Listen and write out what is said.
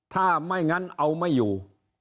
ถ้าไม่งั้นเอาไม่อยู่